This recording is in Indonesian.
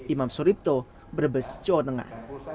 imam suripto brebes jawa tengah